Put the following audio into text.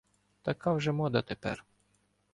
Така вже мода тепер.